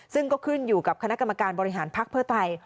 ซึ่งก็ขึ้นอยู่กับคณะกรรมการบริหารภักดิ์เพื่อไทย